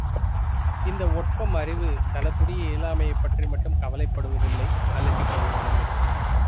இந்த ஒட்பம் அறிவு தனக்குரிய இயலாமையைப் பற்றி மட்டும் கவலைப்படுவதில்லை அலட்டிக் கொள்வதில்லை.